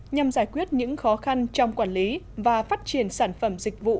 nhằm giải quyết những khó khăn trong quản lý và phát triển sản phẩm dịch vụ